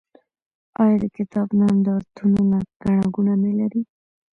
آیا د کتاب نندارتونونه ګڼه ګوڼه نلري؟